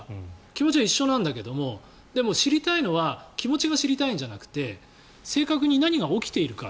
気持ちは一緒なんだけどでも、知りたいのは気持ちが知りたいんじゃなくて正確に何が起きているか。